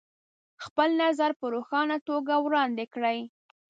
خپل نظر په روښانه توګه وړاندې کړئ.